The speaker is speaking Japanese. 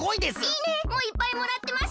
「いいね」もいっぱいもらってます。